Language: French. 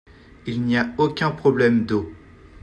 Il n’y a aucun problème d’eau.